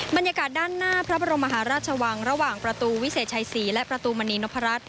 บรรยากาศด้านหน้าพระบรมมหาราชวังระหว่างประตูวิเศษชัยศรีและประตูมณีนพรัช